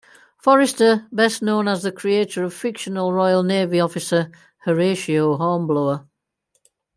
Forester, best known as the creator of fictional Royal Navy officer Horatio Hornblower.